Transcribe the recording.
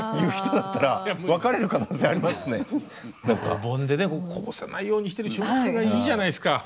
おぼんでねこぼさないようにしてる瞬間がいいじゃないですか。